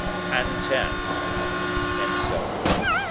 "And ten?" And so on.